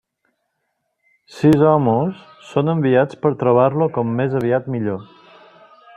Sis homes són enviats per trobar-lo com més aviat millor.